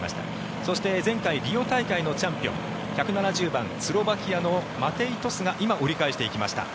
そして前回リオ大会のチャンピオン１７０番スロバキアのマテイ・トスが今、折り返していきました。